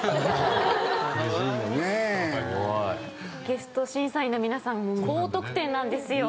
ゲスト審査員の皆さんも高得点なんですよ。